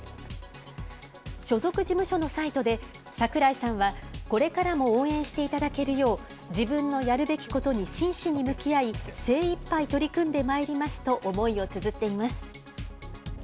所属事務所のサイトで、櫻井さんはこれからも応援していただけるよう、自分のやるべきことに真摯に向き合い、精いっぱい取り組んでまいりますと思いをつづっています。